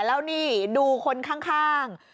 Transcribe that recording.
แล้วนี่ดูคนข้าง